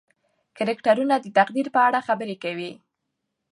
کرکټرونه د تقدیر په اړه خبرې کوي.